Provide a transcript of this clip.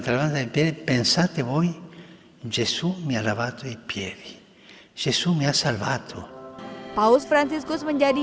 terhadap diri pensate boy jesu mia lavato ipi rih jisumi asal batu paus franciscus menjadi